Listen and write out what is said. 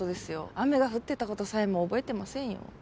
雨が降ってたことさえも覚えてませんよ